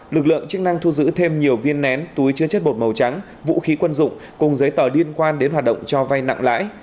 lực lượng chức năng thu giữ thêm nhiều viên nén túi chứa chất bột màu trắng vũ khí quân dụng cùng giấy tờ liên quan đến hoạt động cho vay nặng lãi